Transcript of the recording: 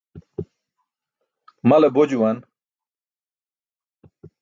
Male bo juwan.